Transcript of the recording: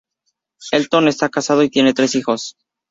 Elton está casado y tiene tres hijos.